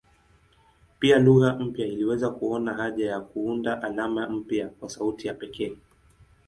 Pia lugha mpya iliweza kuona haja ya kuunda alama mpya kwa sauti ya pekee.